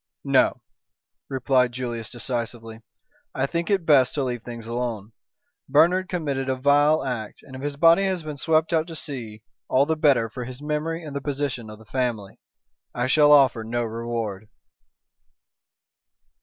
"No," replied Julius decisively. "I think it is best to leave things alone. Bernard committed a vile act, and if his body has been swept out to sea all the better for his memory and the position of the family. I shall offer no reward."